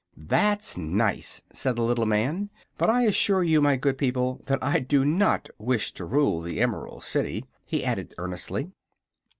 "That's nice," said the little man. "But I assure you, my good people, that I do not wish to rule the Emerald City," he added, earnestly.